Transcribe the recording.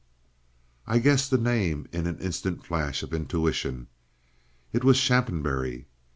I guessed the name in an instant flash of intuition. It was Shaphambury.